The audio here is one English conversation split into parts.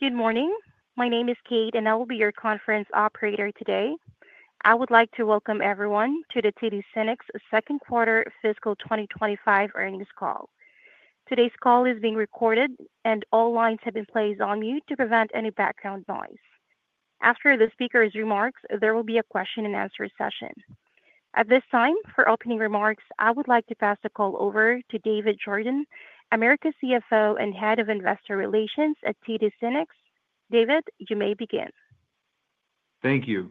Good morning. My name is Kate, and I will be your conference operator today. I would like to welcome everyone to the TD SYNNEX Second Quarter Fiscal 2025 earnings call. Today's call is being recorded, and all lines have been placed on mute to prevent any background noise. After the speaker's remarks, there will be a question-and-answer session. At this time, for opening remarks, I would like to pass the call over to David Jordan, America's CFO and head of investor relations at TD SYNNEX. David, you may begin. Thank you.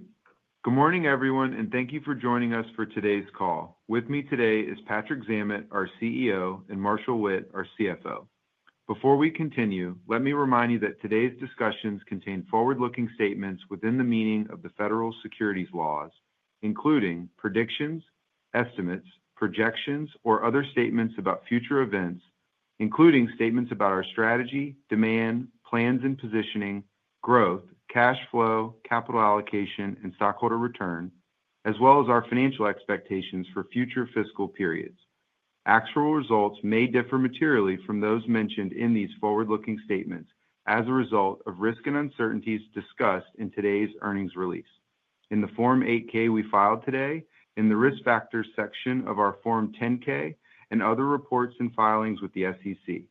Good morning, everyone, and thank you for joining us for today's call. With me today is Patrick Zammit, our CEO, and Marshall Witt, our CFO. Before we continue, let me remind you that today's discussions contain forward-looking statements within the meaning of the federal securities laws, including predictions, estimates, projections, or other statements about future events, including statements about our strategy, demand, plans and positioning, growth, cash flow, capital allocation, and stockholder return, as well as our financial expectations for future fiscal periods. Actual results may differ materially from those mentioned in these forward-looking statements as a result of risk and uncertainties discussed in today's earnings release, in the Form 8K we filed today, in the risk factors section of our Form 10K, and other reports and filings with the SEC.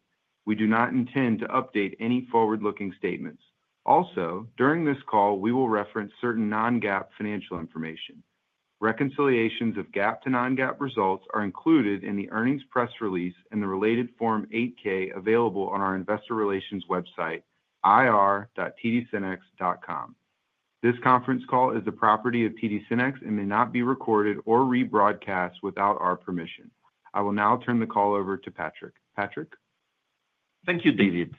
We do not intend to update any forward-looking statements. Also, during this call, we will reference certain non-GAAP financial information. Reconciliations of GAAP to non-GAAP results are included in the earnings press release and the related Form 8K available on our investor relations website, ir.tdsynnex.com. This conference call is the property of TD SYNNEX and may not be recorded or rebroadcast without our permission. I will now turn the call over to Patrick. Patrick? Thank you, David.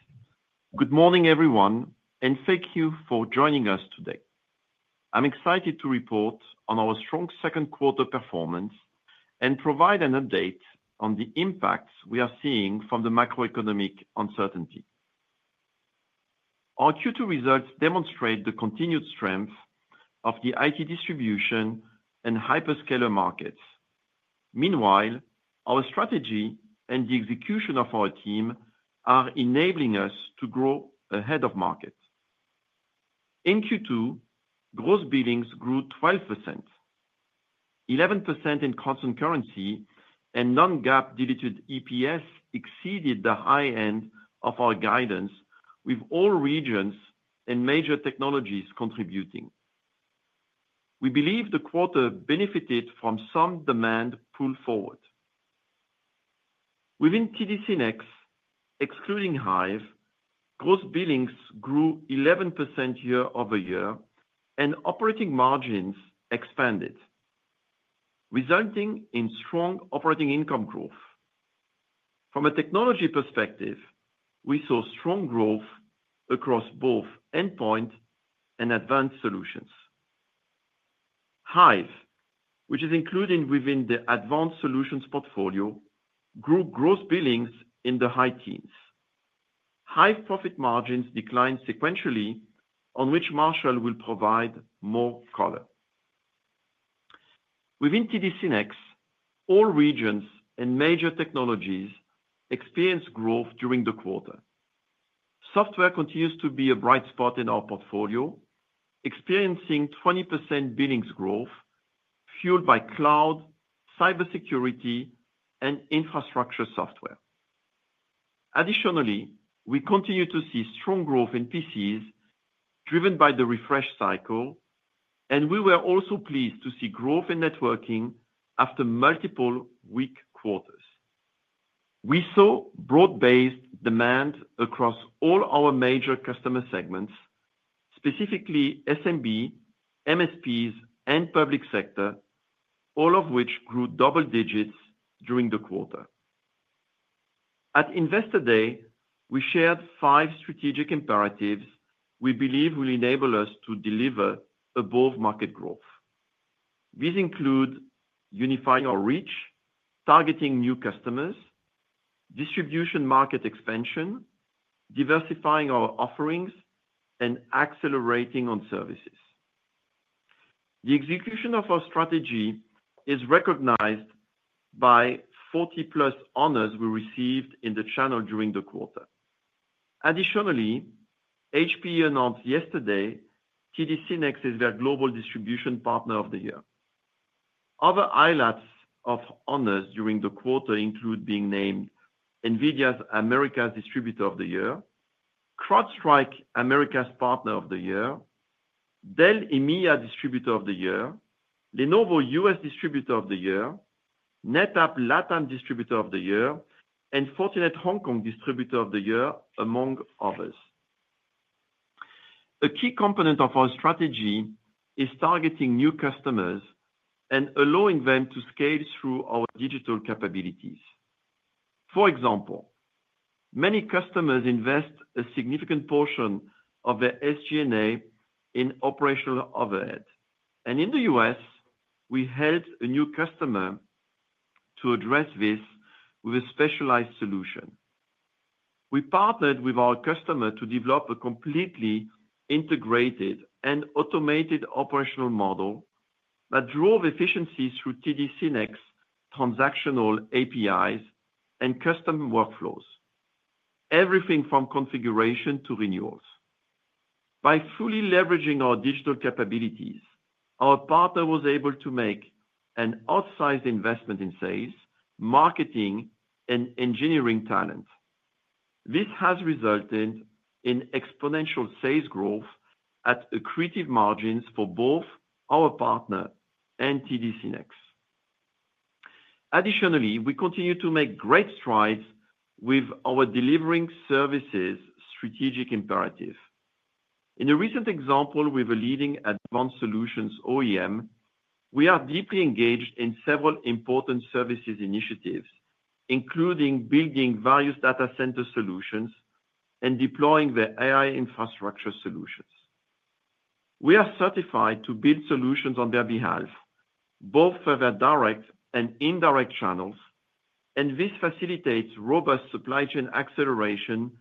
Good morning, everyone, and thank you for joining us today. I'm excited to report on our strong second quarter performance and provide an update on the impacts we are seeing from the macroeconomic uncertainty. Our Q2 results demonstrate the continued strength of the IT distribution and hyperscaler markets. Meanwhile, our strategy and the execution of our team are enabling us to grow ahead of market. In Q2, gross billings grew 12%, 11% in constant currency, and non-GAAP diluted EPS exceeded the high end of our guidance, with all regions and major technologies contributing. We believe the quarter benefited from some demand pulled forward. Within TD SYNNEX, excluding HYVE, gross billings grew 11% year over year, and operating margins expanded, resulting in strong operating income growth. From a technology perspective, we saw strong growth across both endpoint and advanced solutions. HYVE, which is included within the Advanced Solutions portfolio, grew gross billings in the high teens. HYVE profit margins declined sequentially, on which Marshall will provide more color. Within TD SYNNEX, all regions and major technologies experienced growth during the quarter. Software continues to be a bright spot in our portfolio, experiencing 20% billings growth fueled by cloud, cybersecurity, and infrastructure software. Additionally, we continue to see strong growth in PCs driven by the refresh cycle, and we were also pleased to see growth in networking after multiple weak quarters. We saw broad-based demand across all our major customer segments, specifically SMB, MSPs, and public sector, all of which grew double digits during the quarter. At Investor Day, we shared five strategic imperatives we believe will enable us to deliver above-market growth. These include unifying our reach, targeting new customers, distribution market expansion, diversifying our offerings, and accelerating on services. The execution of our strategy is recognized by 40-plus honors we received in the channel during the quarter. Additionally, HPE announced yesterday TD SYNNEX is their global distribution partner of the year. Other highlights of honors during the quarter include being named NVIDIA's America's Distributor of the Year, CrowdStrike America's Partner of the Year, Dell EMEA Distributor of the Year, Lenovo US Distributor of the Year, NetApp LATAM Distributor of the Year, and Fortinet Hong Kong Distributor of the Year, among others. A key component of our strategy is targeting new customers and allowing them to scale through our digital capabilities. For example, many customers invest a significant portion of their SG&A in operational overhead, and in the U.S., we helped a new customer to address this with a specialized solution. We partnered with our customer to develop a completely integrated and automated operational model that drove efficiencies through TD SYNNEX transactional APIs and custom workflows, everything from configuration to renewals. By fully leveraging our digital capabilities, our partner was able to make an outsized investment in sales, marketing, and engineering talent. This has resulted in exponential sales growth at accretive margins for both our partner and TD SYNNEX. Additionally, we continue to make great strides with our delivering services strategic imperative. In a recent example with a leading advanced solutions OEM, we are deeply engaged in several important services initiatives, including building various data center solutions and deploying their AI infrastructure solutions. We are certified to build solutions on their behalf, both for their direct and indirect channels, and this facilitates robust supply chain acceleration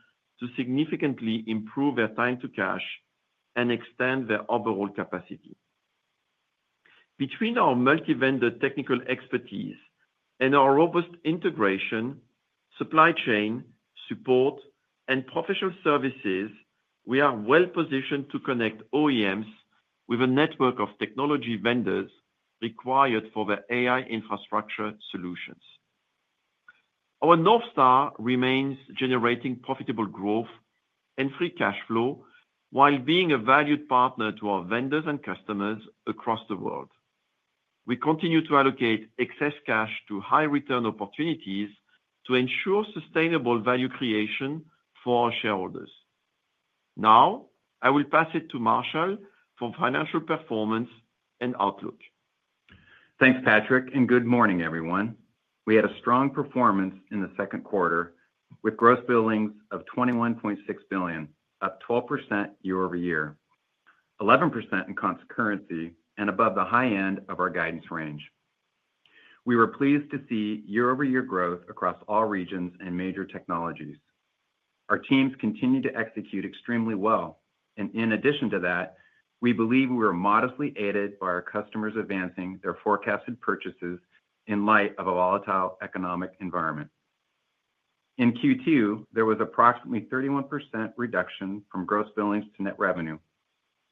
to significantly improve their time to cash and extend their overall capacity. Between our multi-vendor technical expertise and our robust integration, supply chain, support, and professional services, we are well positioned to connect OEMs with a network of technology vendors required for their AI infrastructure solutions. Our North Star remains generating profitable growth and free cash flow while being a valued partner to our vendors and customers across the world. We continue to allocate excess cash to high-return opportunities to ensure sustainable value creation for our shareholders. Now, I will pass it to Marshall for financial performance and outlook. Thanks, Patrick, and good morning, everyone. We had a strong performance in the second quarter with gross billings of $21.6 billion, up 12% year-over-year, 11% in constant currency, and above the high end of our guidance range. We were pleased to see year-over-year growth across all regions and major technologies. Our teams continue to execute extremely well, and in addition to that, we believe we were modestly aided by our customers advancing their forecasted purchases in light of a volatile economic environment. In Q2, there was approximately 31% reduction from gross billings to net revenue,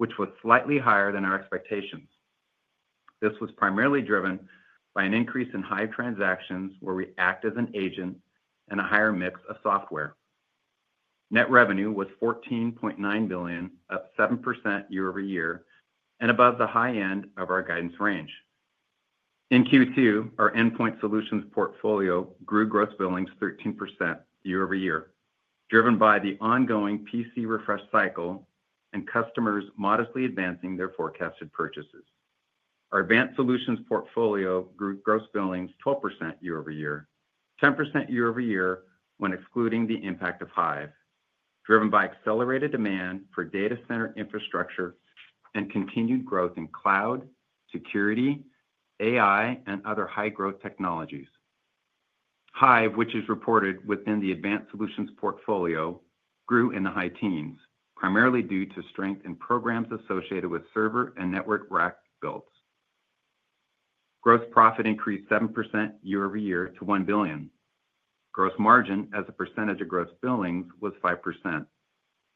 which was slightly higher than our expectations. This was primarily driven by an increase in HYVE transactions where we act as an agent and a higher mix of software. Net revenue was $14.9 billion, up 7% year-over-year, and above the high end of our guidance range. In Q2, our endpoint solutions portfolio grew gross billings 13% year over year, driven by the ongoing PC refresh cycle and customers modestly advancing their forecasted purchases. Our advanced solutions portfolio grew gross billings 12% year-over-year, 10% year-over-year when excluding the impact of HYVE, driven by accelerated demand for data center infrastructure and continued growth in cloud, security, AI, and other high-growth technologies. HYVE, which is reported within the advanced solutions portfolio, grew in the high teens, primarily due to strength in programs associated with server and network rack builds. Gross profit increased 7% year-over-year to $1 billion. Gross margin as a percentage of gross billings was 5%,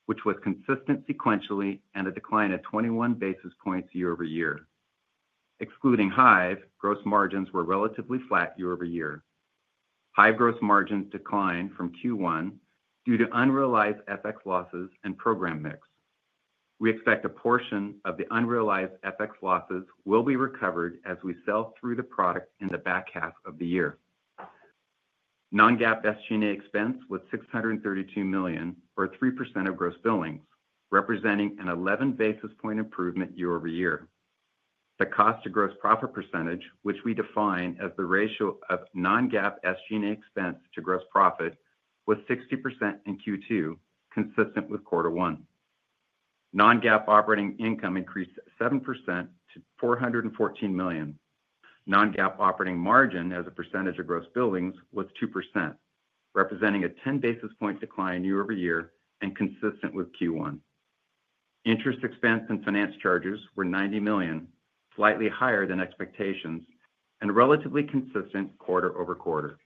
which was consistent sequentially and a decline of 21 basis points year-over-year. Excluding HYVE, gross margins were relatively flat year over year. HYVE gross margins declined from Q1 due to unrealized FX losses and program mix. We expect a portion of the unrealized FX losses will be recovered as we sell through the product in the back half of the year. Non-GAAP SG&A expense was $632 million, or 3% of gross billings, representing an 11 basis point improvement year over year. The cost to gross profit %, which we define as the ratio of non-GAAP SG&A expense to gross profit, was 60% in Q2, consistent with quarter one. Non-GAAP operating income increased 7% to $414 million. Non-GAAP operating margin as a percentage of gross billings was 2%, representing a 10 basis point decline year over year and consistent with Q1. Interest expense and finance charges were $90 million, slightly higher than expectations, and relatively consistent quarter-over-quarter.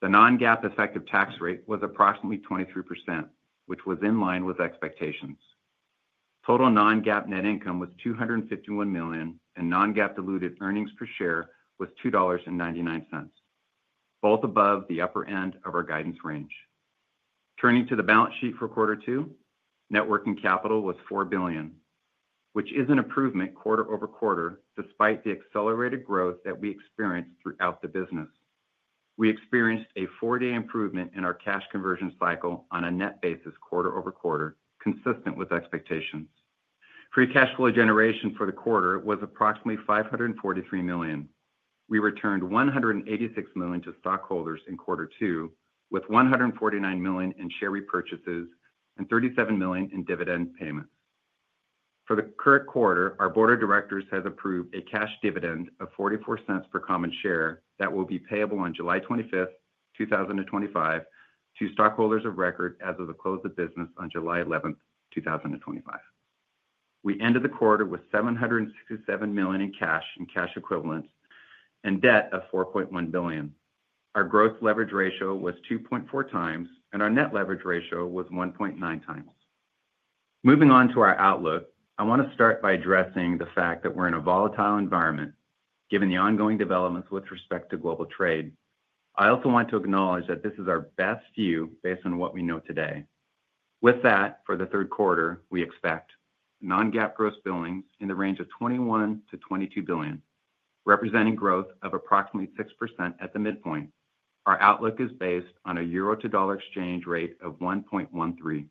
The non-GAAP effective tax rate was approximately 23%, which was in line with expectations. Total non-GAAP net income was $251 million, and non-GAAP diluted earnings per share was $2.99, both above the upper end of our guidance range. Turning to the balance sheet for quarter two, networking capital was $4 billion, which is an improvement quarter over quarter despite the accelerated growth that we experienced throughout the business. We experienced a four-day improvement in our cash conversion cycle on a net basis quarter-over-quarter, consistent with expectations. Free cash flow generation for the quarter was approximately $543 million. We returned $186 million to stockholders in quarter two, with $149 million in share repurchases and $37 million in dividend payments. For the current quarter, our board of directors has approved a cash dividend of $0.44 per common share that will be payable on July 25, 2025, to stockholders of record as of the close of business on July 11, 2025. We ended the quarter with $767 million in cash and cash equivalents and debt of $4.1 billion. Our gross leverage ratio was 2.4 times, and our net leverage ratio was 1.9 times. Moving on to our outlook, I want to start by addressing the fact that we're in a volatile environment given the ongoing developments with respect to global trade. I also want to acknowledge that this is our best view based on what we know today. With that, for the third quarter, we expect non-GAAP gross billings in the range of $21 billion-$22 billion, representing growth of approximately 6% at the midpoint. Our outlook is based on a euro to dollar exchange rate of 1.13.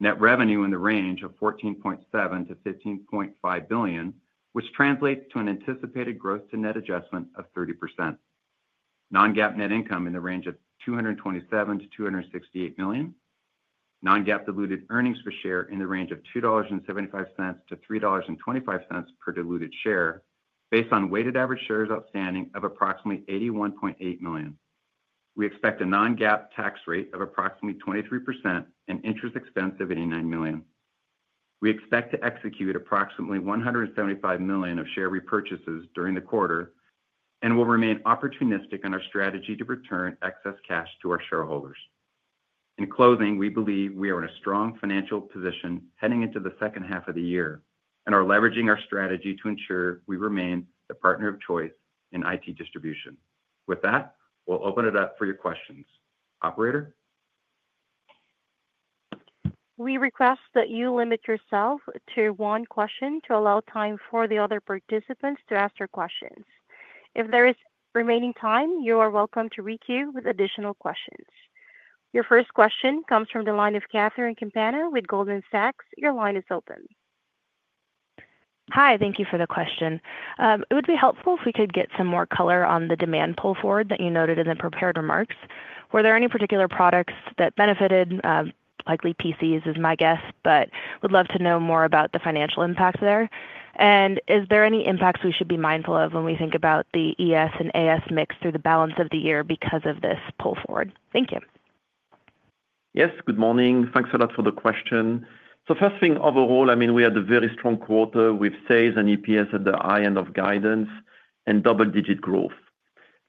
Net revenue in the range of $14.7 billion-$15.5 billion, which translates to an anticipated growth to net adjustment of 30%. Non-GAAP net income in the range of $227 million-$268 million. Non-GAAP diluted earnings per share in the range of $2.75-$3.25 per diluted share based on weighted average shares outstanding of approximately 81.8 million. We expect a non-GAAP tax rate of approximately 23% and interest expense of $89 million. We expect to execute approximately $175 million of share repurchases during the quarter and will remain opportunistic in our strategy to return excess cash to our shareholders. In closing, we believe we are in a strong financial position heading into the second half of the year and are leveraging our strategy to ensure we remain the partner of choice in IT distribution. With that, we'll open it up for your questions. Operator. We request that you limit yourself to one question to allow time for the other participants to ask their questions. If there is remaining time, you are welcome to re-queue with additional questions. Your first question comes from the line of Catherine Campana with Goldman Sachs. Your line is open. Hi, thank you for the question. It would be helpful if we could get some more color on the demand pull forward that you noted in the prepared remarks. Were there any particular products that benefited? Likely PCs is my guess, but would love to know more about the financial impact there. Is there any impacts we should be mindful of when we think about the ES and AS mix through the balance of the year because of this pull forward? Thank you. Yes, good morning. Thanks a lot for the question. First thing overall, I mean, we had a very strong quarter with sales and EPS at the high end of guidance and double-digit growth.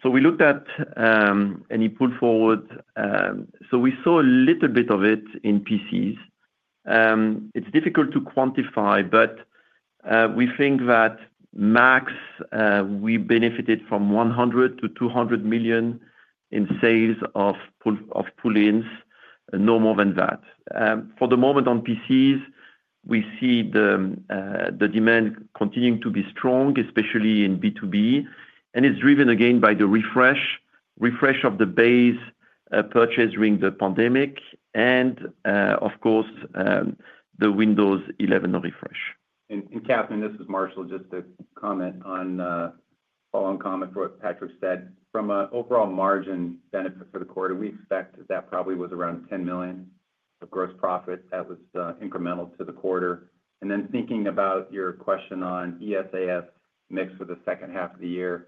We looked at any pull forward. We saw a little bit of it in PCs. It is difficult to quantify, but we think that max we benefited from $100 million-$200 million in sales of pull-ins, no more than that. For the moment on PCs, we see the demand continuing to be strong, especially in B2B, and it is driven again by the refresh of the base purchase during the pandemic and, of course, the Windows 11 refresh. Catherine, this is Marshall, just to comment on following comment for what Patrick said. From an overall margin benefit for the quarter, we expect that probably was around $10 million of gross profit that was incremental to the quarter. Thinking about your question on ES/AS mix for the second half of the year,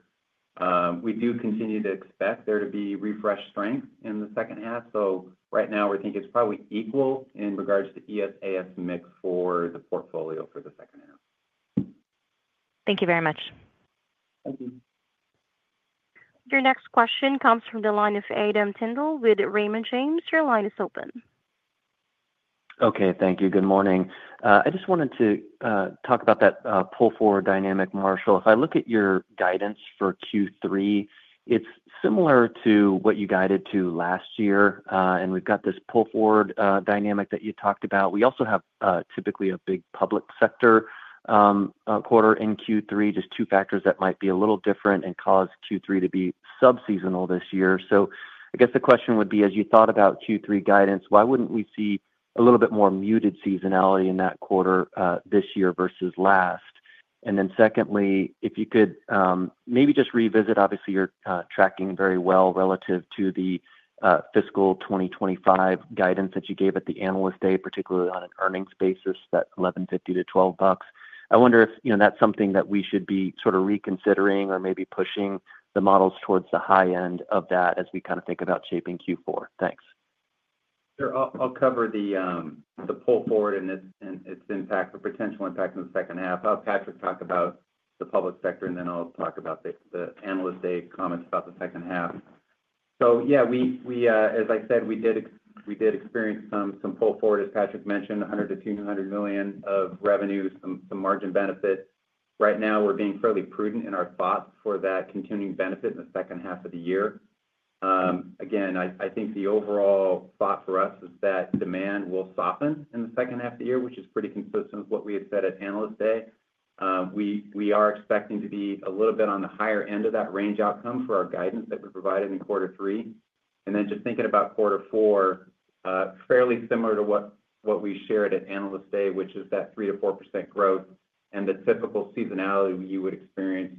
we do continue to expect there to be refresh strength in the second half. Right now, we are thinking it is probably equal in regards to ES/AS mix for the portfolio for the second half. Thank you very much. Thank you. Your next question comes from the line of Adam Tindle with Raymond James. Your line is open. Okay, thank you. Good morning. I just wanted to talk about that pull forward dynamic, Marshall. If I look at your guidance for Q3, it's similar to what you guided to last year, and we've got this pull forward dynamic that you talked about. We also have typically a big public sector quarter in Q3, just two factors that might be a little different and cause Q3 to be subseasonal this year. I guess the question would be, as you thought about Q3 guidance, why wouldn't we see a little bit more muted seasonality in that quarter this year versus last? Secondly, if you could maybe just revisit, obviously, you're tracking very well relative to the fiscal 2025 guidance that you gave at the analyst day, particularly on an earnings basis at $11.50-$12. I wonder if that's something that we should be sort of reconsidering or maybe pushing the models towards the high end of that as we kind of think about shaping Q4. Thanks. I'll cover the pull forward and its impact, the potential impact in the second half. I'll have Patrick talk about the public sector, and then I'll talk about the analyst day comments about the second half. Yeah, as I said, we did experience some pull forward, as Patrick mentioned, $100 million-$200 million of revenue, some margin benefit. Right now, we're being fairly prudent in our thoughts for that continuing benefit in the second half of the year. Again, I think the overall thought for us is that demand will soften in the second half of the year, which is pretty consistent with what we had said at analyst day. We are expecting to be a little bit on the higher end of that range outcome for our guidance that we provided in quarter three. Just thinking about quarter four, fairly similar to what we shared at analyst day, which is that 3-4% growth and the typical seasonality you would experience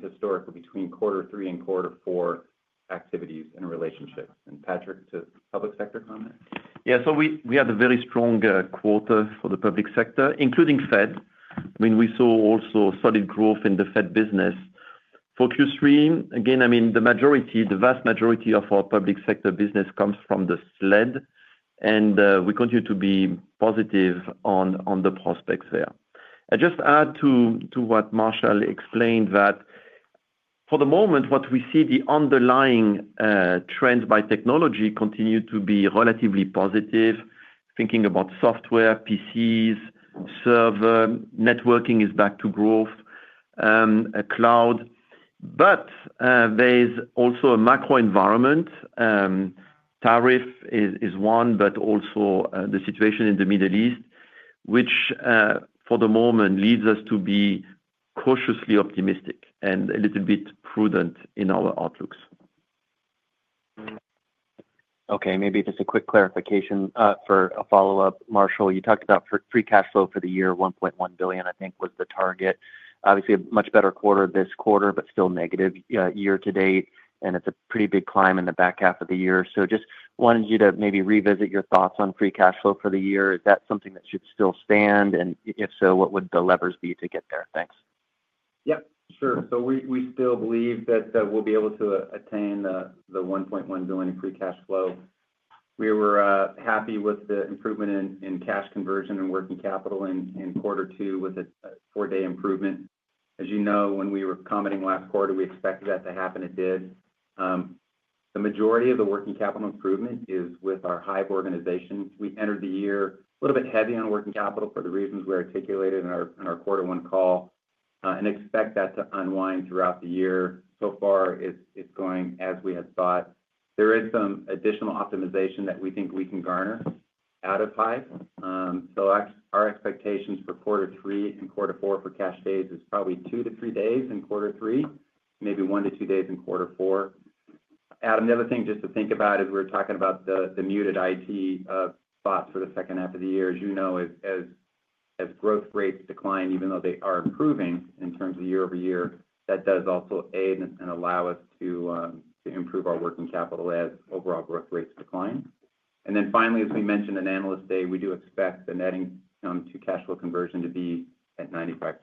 historically between quarter three and quarter four activities and relationships. Patrick, to public sector comment. Yeah, so we had a very strong quarter for the public sector, including Fed. I mean, we saw also solid growth in the Fed business. For Q3, again, I mean, the vast majority of our public sector business comes from the slid, and we continue to be positive on the prospects there. I just add to what Marshall explained that for the moment, what we see, the underlying trends by technology continue to be relatively positive, thinking about software, PCs, server, networking is back to growth, cloud. There is also a macro environment. Tariff is one, but also the situation in the Middle East, which for the moment leads us to be cautiously optimistic and a little bit prudent in our outlooks. Okay, maybe just a quick clarification for a follow-up. Marshall, you talked about free cash flow for the year, $1.1 billion, I think was the target. Obviously, a much better quarter this quarter, but still negative year to date, and it's a pretty big climb in the back half of the year. Just wanted you to maybe revisit your thoughts on free cash flow for the year. Is that something that should still stand? If so, what would the levers be to get there? Thanks. Yep, sure. We still believe that we'll be able to attain the $1.1 billion free cash flow. We were happy with the improvement in cash conversion and working capital in quarter two with a four-day improvement. As you know, when we were commenting last quarter, we expected that to happen. It did. The majority of the working capital improvement is with our HYVE organization. We entered the year a little bit heavy on working capital for the reasons we articulated in our quarter one call and expect that to unwind throughout the year. So far, it's going as we had thought. There is some additional optimization that we think we can garner out of HYVE. Our expectations for quarter three and quarter four for cash days is probably two to three days in quarter three, maybe one to two days in quarter four. Adam, the other thing just to think about as we're talking about the muted IT spots for the second half of the year, as you know, as growth rates decline, even though they are improving in terms of year over year, that does also aid and allow us to improve our working capital as overall growth rates decline. Finally, as we mentioned in analyst day, we do expect the netting to cash flow conversion to be at 95%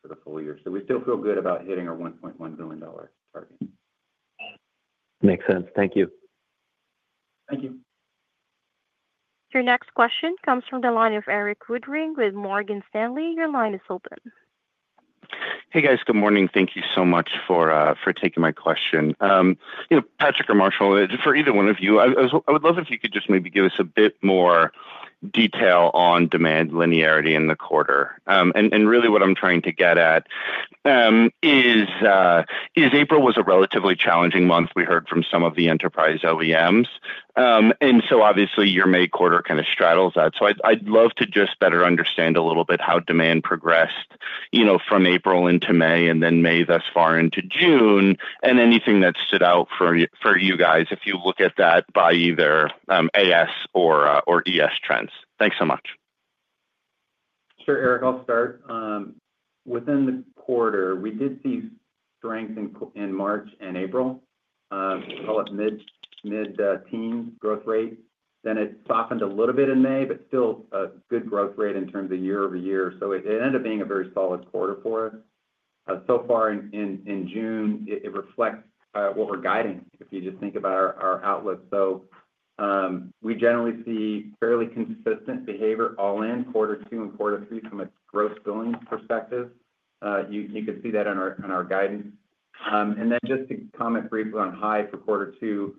for the full year. We still feel good about hitting our $1.1 billion target. Makes sense. Thank you. Thank you. Your next question comes from the line of Eric Woodring with Morgan Stanley. Your line is open. Hey, guys. Good morning. Thank you so much for taking my question. Patrick or Marshall, for either one of you, I would love if you could just maybe give us a bit more detail on demand linearity in the quarter. Really what I'm trying to get at is April was a relatively challenging month. We heard from some of the enterprise OEMs. Obviously, your May quarter kind of straddles that. I would love to just better understand a little bit how demand progressed from April into May and then May thus far into June and anything that stood out for you guys if you look at that by either AS or ES trends. Thanks so much. Sure, Eric. I'll start. Within the quarter, we did see strength in March and April, call it mid-teens growth rate. Then it softened a little bit in May, but still a good growth rate in terms of year over year. It ended up being a very solid quarter for us. So far in June, it reflects what we're guiding, if you just think about our outlook. We generally see fairly consistent behavior all in quarter two and quarter three from a gross billing perspective. You could see that in our guidance. Just to comment briefly on HYVE for quarter two,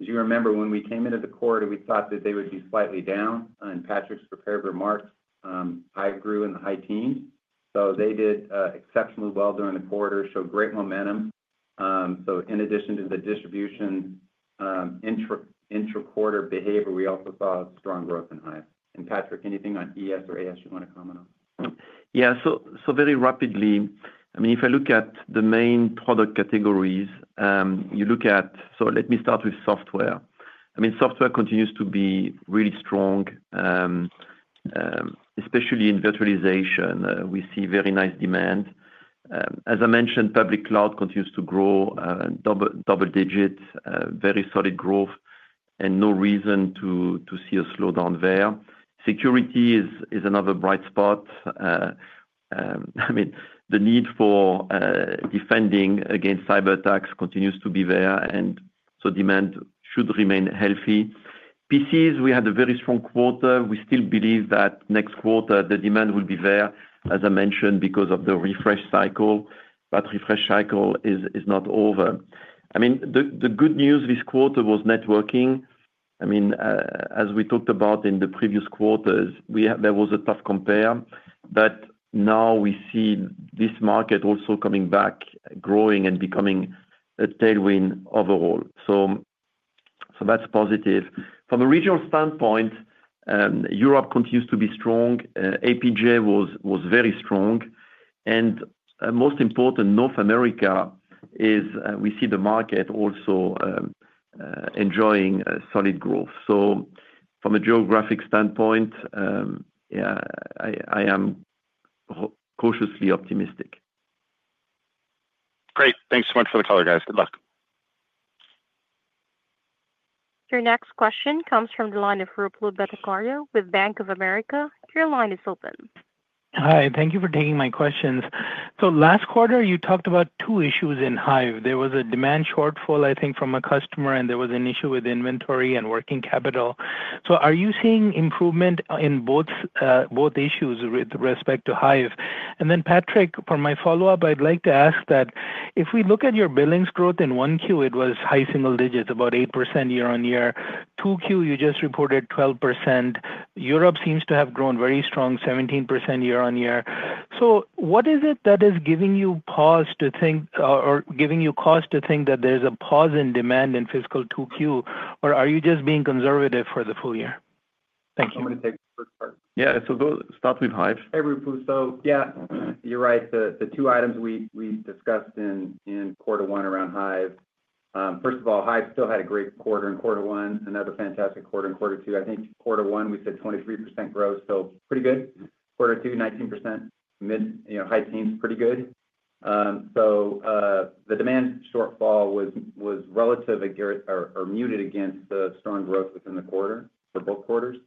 as you remember, when we came into the quarter, we thought that they would be slightly down. In Patrick's prepared remarks, HYVE grew in the high teens. They did exceptionally well during the quarter, showed great momentum. In addition to the distribution intra-quarter behavior, we also saw strong growth in HYVE. Patrick, anything on ES or AS you want to comment on? Yeah, so very rapidly, I mean, if I look at the main product categories, you look at, so let me start with software. I mean, software continues to be really strong, especially in virtualization. We see very nice demand. As I mentioned, public cloud continues to grow, double-digit, very solid growth, and no reason to see a slowdown there. Security is another bright spot. I mean, the need for defending against cyber attacks continues to be there, and so demand should remain healthy. PCs, we had a very strong quarter. We still believe that next quarter, the demand will be there, as I mentioned, because of the refresh cycle. That refresh cycle is not over. I mean, the good news this quarter was networking. I mean, as we talked about in the previous quarters, there was a tough compare, but now we see this market also coming back, growing and becoming a tailwind overall. That is positive. From a regional standpoint, Europe continues to be strong. APJ was very strong. Most important, North America is we see the market also enjoying solid growth. From a geographic standpoint, yeah, I am cautiously optimistic. Great. Thanks so much for the call, guys. Good luck. Your next question comes from the line of Ruplu Bhattacharya with Bank of America. Your line is open. Hi. Thank you for taking my questions. Last quarter, you talked about two issues in HYVE. There was a demand shortfall, I think, from a customer, and there was an issue with inventory and working capital. Are you seeing improvement in both issues with respect to HYVE? Patrick, for my follow-up, I'd like to ask that if we look at your billings growth in Q1, it was high single digits, about 8% year on year. Q2, you just reported 12%. Europe seems to have grown very strong, 17% year on year. What is it that is giving you pause to think or giving you cause to think that there's a pause in demand in fiscal Q2, or are you just being conservative for the full year? Thank you. I'm going to take the first part. Yeah, so start with HYVE. Hey, Ruplu. Yeah, you're right. The two items we discussed in quarter one around HYVE, first of all, HYVE still had a great quarter in quarter one, another fantastic quarter in quarter two. I think quarter one, we said 23% growth, so pretty good. Quarter two, 19%, mid-high teens, pretty good. The demand shortfall was relative or muted against the strong growth within the quarter for both quarters.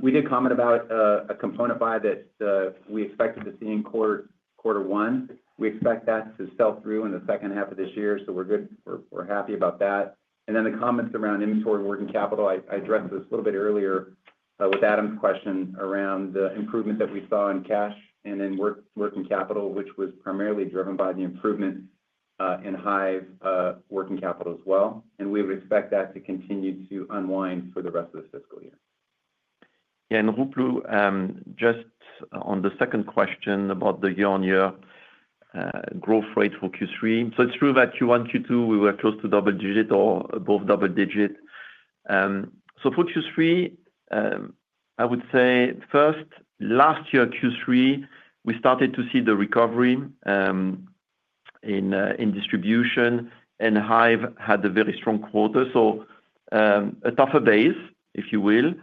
We did comment about a component buy that we expected to see in quarter one. We expect that to sell through in the second half of this year. We're good. We're happy about that. The comments around inventory and working capital, I addressed this a little bit earlier with Adam's question around the improvement that we saw in cash and in working capital, which was primarily driven by the improvement in HYVE working capital as well. We would expect that to continue to unwind for the rest of the fiscal year. Yeah, and Ruplu, just on the second question about the year-on-year growth rate for Q3. It's true that Q1, Q2, we were close to double digit or both double digit. For Q3, I would say first, last year Q3, we started to see the recovery in distribution, and HYVE had a very strong quarter. A tougher base, if you will,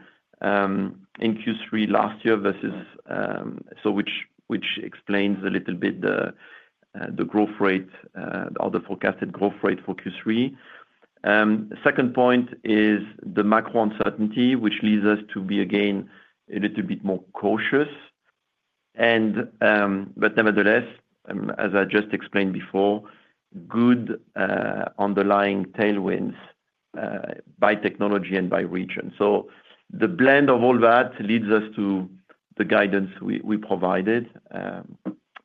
in Q3 last year versus, which explains a little bit the growth rate or the forecasted growth rate for Q3. The second point is the macro uncertainty, which leads us to be again a little bit more cautious. Nevertheless, as I just explained before, good underlying tailwinds by technology and by region. The blend of all that leads us to the guidance we provided,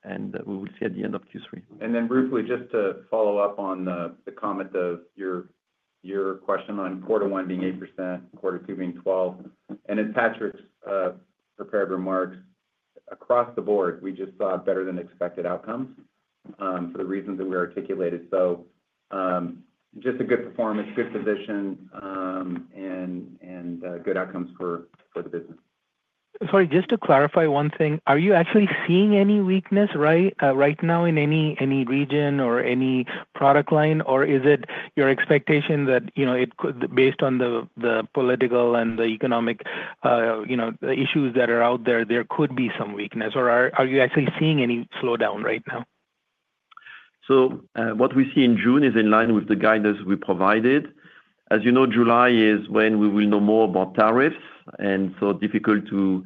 and we will see at the end of Q3. Ruplu, just to follow up on the comment of your question on quarter one being 8%, quarter two being 12%. As Patrick's prepared remarks, across the board, we just saw better-than-expected outcomes for the reasons that we articulated. Just a good performance, good position, and good outcomes for the business. Sorry, just to clarify one thing. Are you actually seeing any weakness right now in any region or any product line, or is it your expectation that based on the political and the economic issues that are out there, there could be some weakness, or are you actually seeing any slowdown right now? What we see in June is in line with the guidance we provided. As you know, July is when we will know more about tariffs, and so difficult to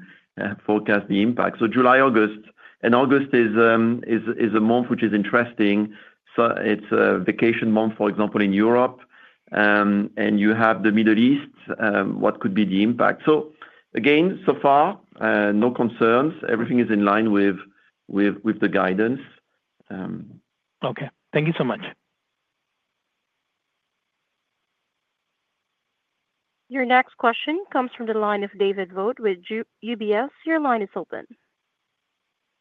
forecast the impact. July, August, and August is a month which is interesting. It is a vacation month, for example, in Europe, and you have the Middle East. What could be the impact? Again, so far, no concerns. Everything is in line with the guidance. Okay. Thank you so much. Your next question comes from the line of David Vogt with UBS. Your line is open.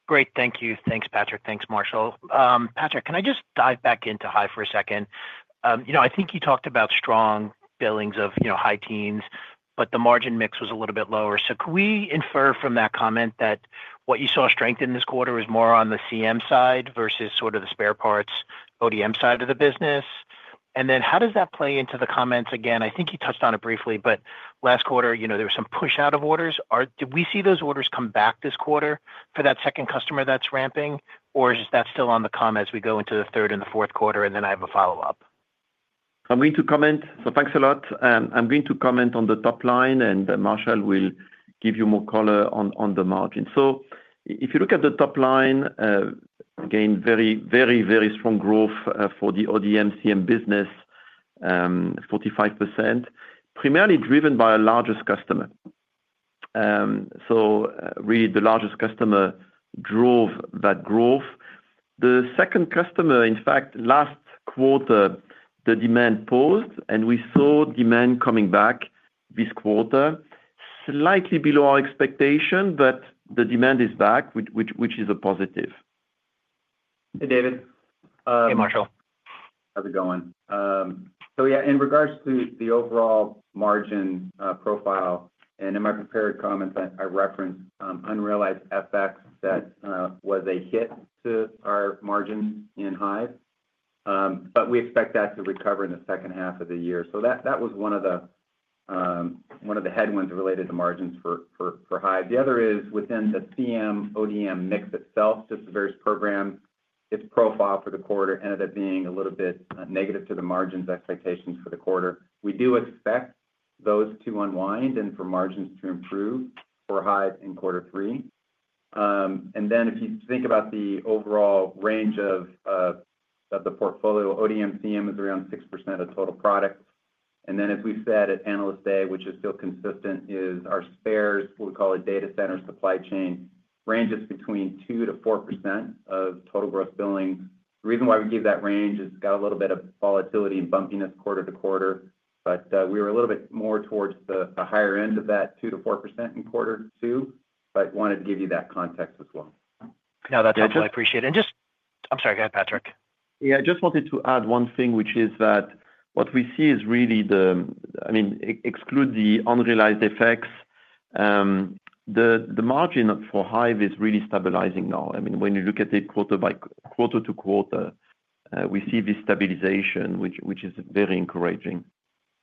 Great. Thank you. Thanks, Patrick. Thanks, Marshall. Patrick, can I just dive back into HYVE for a second? I think you talked about strong billings of high teens, but the margin mix was a little bit lower. Can we infer from that comment that what you saw strengthen this quarter was more on the CM side versus sort of the spare parts ODM side of the business? How does that play into the comments? I think you touched on it briefly, but last quarter, there was some push out of orders. Did we see those orders come back this quarter for that second customer that's ramping, or is that still on the com as we go into the third and the fourth quarter? I have a follow-up. I'm going to comment. Thanks a lot. I'm going to comment on the top line, and Marshall will give you more color on the margin. If you look at the top line, again, very, very strong growth for the ODM/CM business, 45%, primarily driven by our largest customer. Really, the largest customer drove that growth. The second customer, in fact, last quarter, the demand paused, and we saw demand coming back this quarter, slightly below our expectation, but the demand is back, which is a positive. Hey, David. Hey, Marshall. How's it going? Yeah, in regards to the overall margin profile and in my prepared comments, I referenced unrealized FX that was a hit to our margins in HYVE, but we expect that to recover in the second half of the year. That was one of the headwinds related to margins for HYVE. The other is within the CM ODM mix itself, just the various programs, its profile for the quarter ended up being a little bit negative to the margins expectations for the quarter. We do expect those to unwind and for margins to improve for HYVE in quarter three. If you think about the overall range of the portfolio, ODM CM is around 6% of total product. As we said at analyst day, which is still consistent, our spares, what we call a data center supply chain, ranges between 2%-4% of total gross billing. The reason why we give that range is it's got a little bit of volatility and bumpiness quarter to quarter, but we were a little bit more towards the higher end of that 2%-4% in Q2, but wanted to give you that context as well. Yeah, that's helpful. I appreciate it. I'm sorry, go ahead, Patrick. Yeah, I just wanted to add one thing, which is that what we see is really the, I mean, exclude the unrealized effects, the margin for HYVE is really stabilizing now. I mean, when you look at it quarter by quarter to quarter, we see this stabilization, which is very encouraging.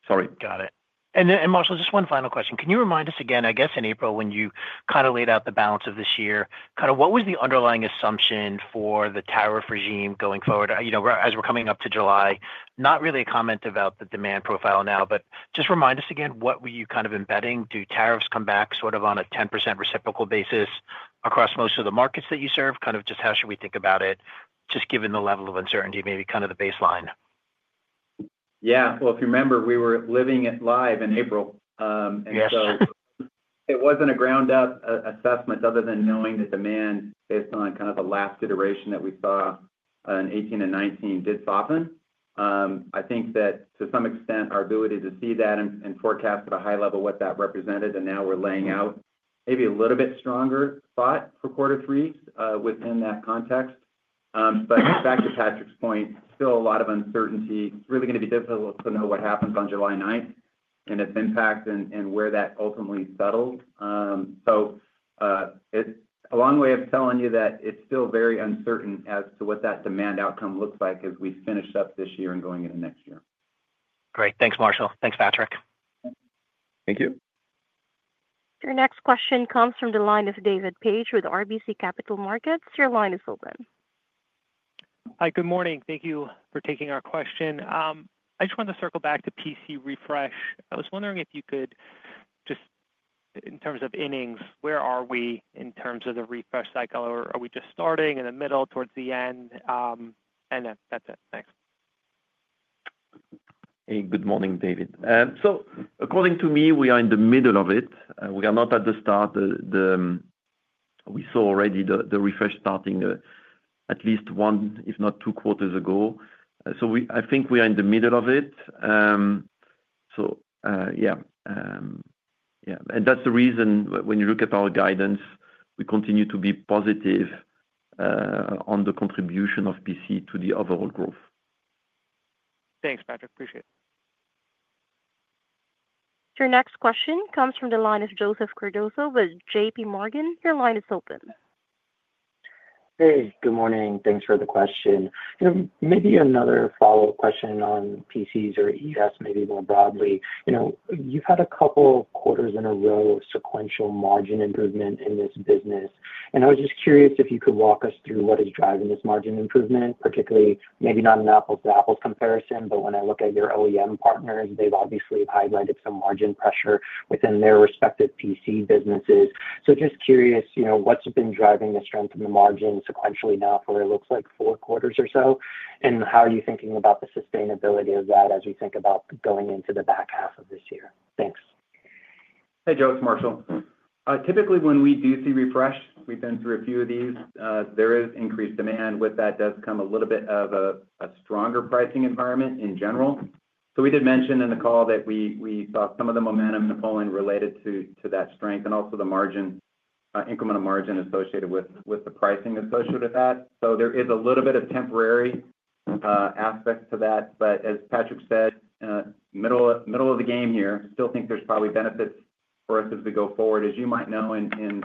Sorry. Got it. Marshall, just one final question. Can you remind us again, I guess in April, when you kind of laid out the balance of this year, what was the underlying assumption for the tariff regime going forward as we're coming up to July? Not really a comment about the demand profile now, but just remind us again, what were you kind of embedding? Do tariffs come back sort of on a 10% reciprocal basis across most of the markets that you serve? How should we think about it, just given the level of uncertainty, maybe kind of the baseline? Yeah. If you remember, we were living it live in April. It was not a ground-up assessment other than knowing the demand based on kind of the last iteration that we saw in 2018 and 2019 did soften. I think that to some extent, our ability to see that and forecast at a high level what that represented, and now we are laying out maybe a little bit stronger spot for quarter three within that context. Back to Patrick's point, still a lot of uncertainty. It is really going to be difficult to know what happens on July 9th and its impact and where that ultimately settles. It is a long way of telling you that it is still very uncertain as to what that demand outcome looks like as we finish up this year and going into next year. Great. Thanks, Marshall. Thanks, Patrick. Thank you. Your next question comes from the line of David Paige with RBC Capital Markets. Your line is open. Hi, good morning. Thank you for taking our question. I just wanted to circle back to PC refresh. I was wondering if you could just in terms of innings, where are we in terms of the refresh cycle? Are we just starting, in the middle, towards the end? That's it. Thanks. Hey, good morning, David. According to me, we are in the middle of it. We are not at the start. We saw already the refresh starting at least one, if not two quarters ago. I think we are in the middle of it. Yeah. That is the reason when you look at our guidance, we continue to be positive on the contribution of PC to the overall growth. Thanks, Patrick. Appreciate it. Your next question comes from the line of Joseph Cardoso with JP Morgan. Your line is open. Hey, good morning. Thanks for the question. Maybe another follow-up question on PCs or ES, maybe more broadly. You've had a couple of quarters in a row of sequential margin improvement in this business. I was just curious if you could walk us through what is driving this margin improvement, particularly maybe not an apples-to-apples comparison, but when I look at your OEM partners, they've obviously highlighted some margin pressure within their respective PC businesses. Just curious, what's been driving the strength in the margin sequentially now for, it looks like, four quarters or so? How are you thinking about the sustainability of that as we think about going into the back half of this year? Thanks. Hey, Joe, it's Marshall. Typically, when we do see refresh, we've been through a few of these, there is increased demand. With that does come a little bit of a stronger pricing environment in general. We did mention in the call that we saw some of the momentum in the polling related to that strength and also the incremental margin associated with the pricing associated with that. There is a little bit of a temporary aspect to that. As Patrick said, middle of the game here, still think there's probably benefits for us as we go forward. As you might know, in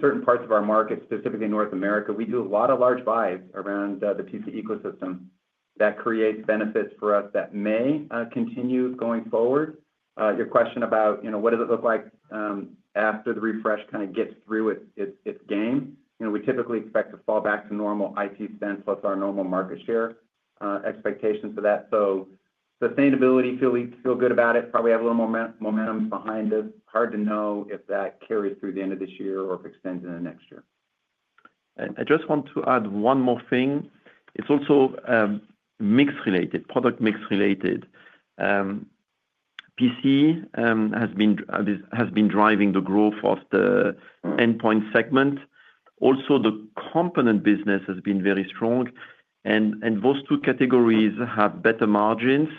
certain parts of our market, specifically North America, we do a lot of large buys around the PC ecosystem that creates benefits for us that may continue going forward. Your question about what does it look like after the refresh kind of gets through its game, we typically expect to fall back to normal IT spend plus our normal market share expectations for that. So sustainability, feel good about it. Probably have a little more momentum behind us. Hard to know if that carries through the end of this year or if it extends into next year. I just want to add one more thing. It is also mix-related, product mix-related. PC has been driving the growth of the endpoint segment. Also, the component business has been very strong. Those two categories have better margins.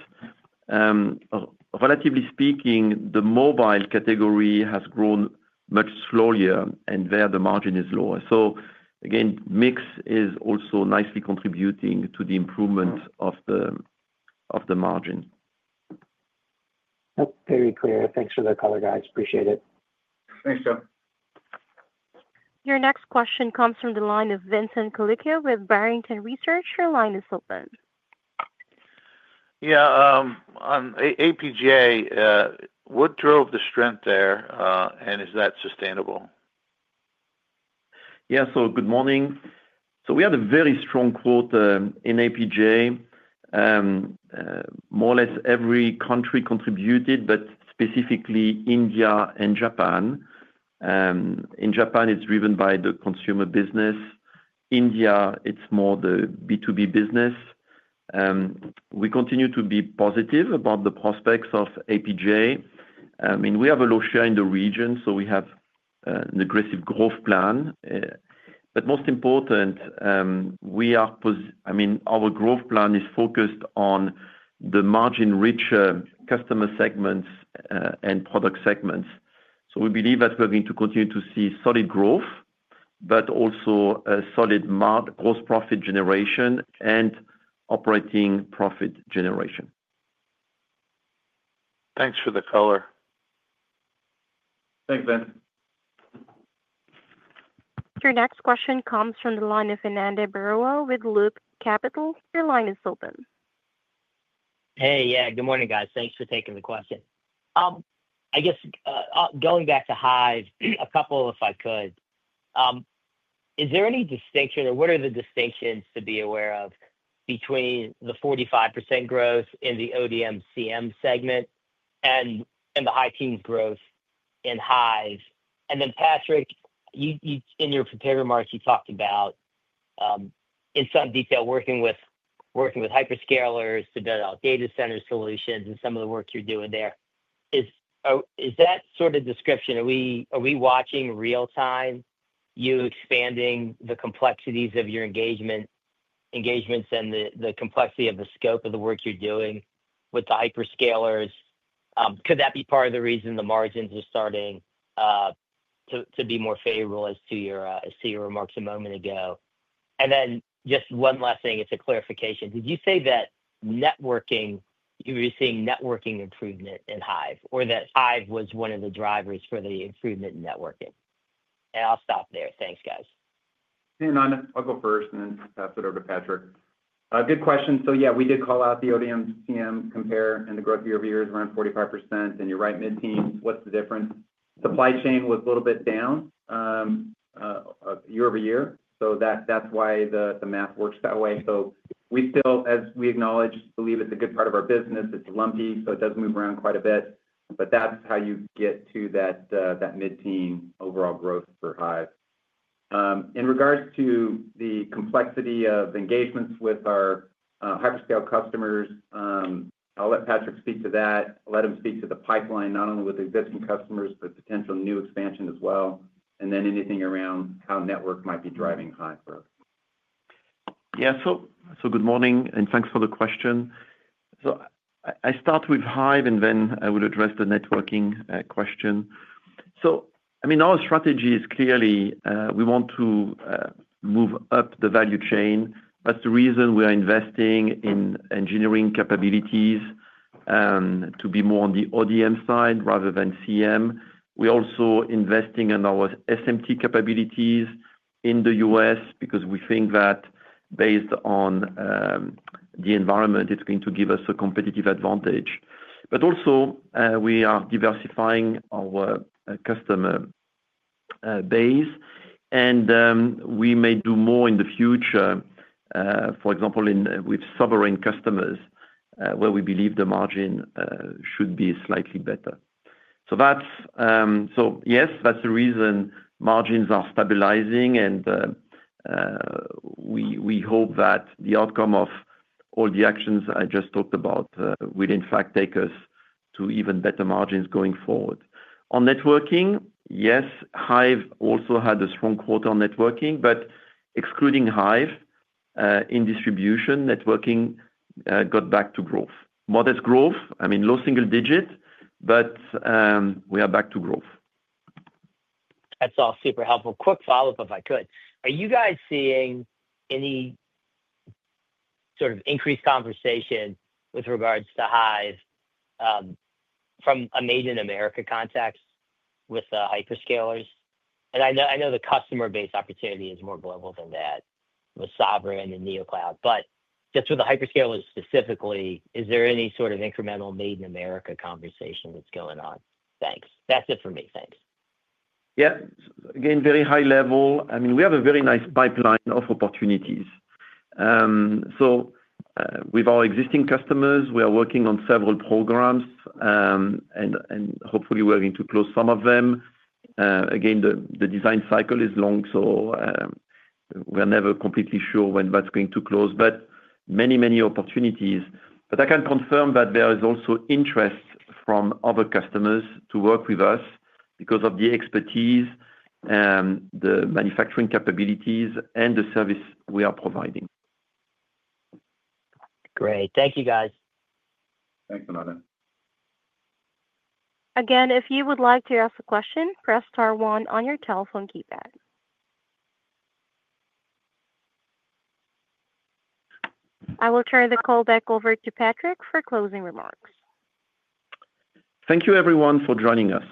Relatively speaking, the mobile category has grown much slower, and there the margin is lower. Again, mix is also nicely contributing to the improvement of the margin. That's very clear. Thanks for the color, guys. Appreciate it. Thanks, Joe. Your next question comes from the line of Vincent Colicchio with Barrington Research. Your line is open. Yeah. APJ, what drove the strength there, and is that sustainable? Yeah. Good morning. We had a very strong quarter in APJ. More or less every country contributed, but specifically India and Japan. In Japan, it's driven by the consumer business. India, it's more the B2B business. We continue to be positive about the prospects of APJ. I mean, we have a low share in the region, so we have an aggressive growth plan. Most important, our growth plan is focused on the margin-rich customer segments and product segments. We believe that we're going to continue to see solid growth, but also solid gross profit generation and operating profit generation. Thanks for the color. Thanks, Vin. Your next question comes from the line of Fernando Burill with Loop Capital. Your line is open. Hey, yeah. Good morning, guys. Thanks for taking the question. I guess going back to HYVE, a couple if I could. Is there any distinction, or what are the distinctions to be aware of between the 45% growth in the ODM CM segment and the high teens growth in HYVE? Patrick, in your prepared remarks, you talked about in some detail working with hyperscalers to build out data center solutions and some of the work you're doing there. Is that sort of description? Are we watching real-time you expanding the complexities of your engagements and the complexity of the scope of the work you're doing with the hyperscalers? Could that be part of the reason the margins are starting to be more favorable as to your remarks a moment ago? Just one last thing, it's a clarification. Did you say that networking, you were seeing networking improvement in HYVE, or that HYVE was one of the drivers for the improvement in networking? I'll stop there. Thanks, guys. Hey, Fernando. I'll go first and then pass it over to Patrick. Good question. Yeah, we did call out the ODM CM compare, and the growth year over year is around 45%. You're right, mid-teens, what's the difference? Supply chain was a little bit down year over year. That's why the math works that way. We still, as we acknowledge, believe it's a good part of our business. It's lumpy, so it does move around quite a bit. That's how you get to that mid-teen overall growth for HYVE. In regards to the complexity of engagements with our hyperscale customers, I'll let Patrick speak to that. I'll let him speak to the pipeline, not only with existing customers, but potential new expansion as well. Anything around how network might be driving HYVE. Yeah. Good morning, and thanks for the question. I start with HYVE, and then I will address the networking question. I mean, our strategy is clearly we want to move up the value chain. That is the reason we are investing in engineering capabilities to be more on the ODM side rather than CM. We are also investing in our SMT capabilities in the U.S. because we think that based on the environment, it is going to give us a competitive advantage. We are diversifying our customer base, and we may do more in the future, for example, with sovereign customers where we believe the margin should be slightly better. Yes, that is the reason margins are stabilizing, and we hope that the outcome of all the actions I just talked about will in fact take us to even better margins going forward. On networking, yes, HYVE also had a strong quarter on networking, but excluding HYVE in distribution, networking got back to growth. Modest growth, I mean, low single digit, but we are back to growth. That's all super helpful. Quick follow-up, if I could. Are you guys seeing any sort of increased conversation with regards to HYVE from a Made in America context with the hyperscalers? I know the customer base opportunity is more global than that with Sovereign and Neocloud, but just with the hyperscalers specifically, is there any sort of incremental Made in America conversation that's going on? Thanks. That's it for me. Thanks. Yeah. Again, very high level. I mean, we have a very nice pipeline of opportunities. With our existing customers, we are working on several programs, and hopefully, we're going to close some of them. Again, the design cycle is long, so we're never completely sure when that's going to close, but many, many opportunities. I can confirm that there is also interest from other customers to work with us because of the expertise, the manufacturing capabilities, and the service we are providing. Great. Thank you, guys. Thanks, Fernando. Again, if you would like to ask a question, press *1 on your telephone keypad. I will turn the call back over to Patrick for closing remarks. Thank you, everyone, for joining us.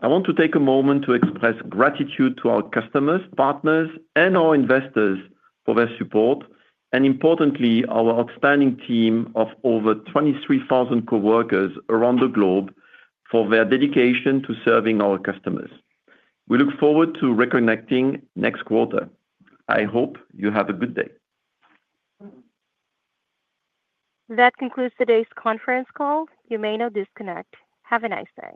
I want to take a moment to express gratitude to our customers, partners, and our investors for their support, and importantly, our outstanding team of over 23,000 coworkers around the globe for their dedication to serving our customers. We look forward to reconnecting next quarter. I hope you have a good day. That concludes today's conference call. You may now disconnect. Have a nice day.